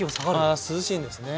涼しいんですね。